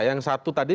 yang satu tadi